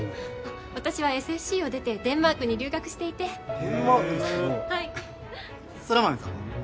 私はＳＦＣを出てデンマークに留学していてへえっはい空豆さんは？